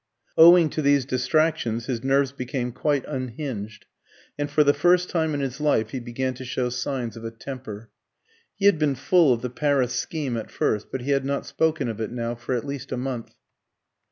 Owing to these distractions his nerves became quite unhinged, and for the first time in his life he began to show signs of a temper. He had been full of the Paris scheme at first, but he had not spoken of it now for at least a month.